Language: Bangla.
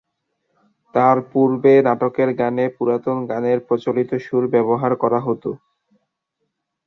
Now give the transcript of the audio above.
তার পূর্বে নাটকের গানে পুরাতন গানের প্রচলিত সুর ব্যবহার করা হত।